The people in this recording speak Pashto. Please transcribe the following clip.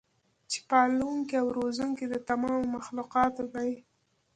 چې پالونکی او روزونکی د تمامو مخلوقاتو دی